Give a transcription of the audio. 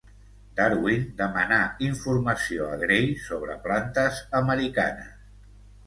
Darwin demanà informació a Gray sobre plantes americanes.